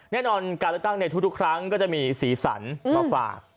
แน่นอนการเลือกตั้งในทุกครั้งก็จะมีสีสันมาฝาก